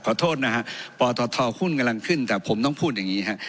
ขอโทษนะครับปทคุณกำลังขึ้นแต่ผมต้องพูดอย่างนี้ครับ